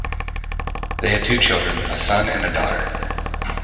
They had two children, a son and a daughter.